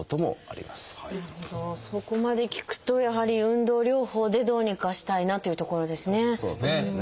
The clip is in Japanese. そこまで聞くとやはり運動療法でどうにかしたいなというところですね。